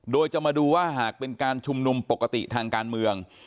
โดยจะมาดูว่าหากเป็นการชุมนุมปกติทางการเมือง